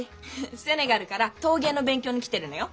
セネガルから陶芸の勉強に来てるのよ。